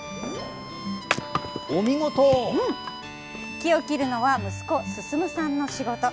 木を切るのは息子・進さんの仕事。